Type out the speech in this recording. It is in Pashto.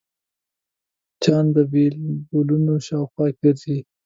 مچان د بلبونو شاوخوا ګرځي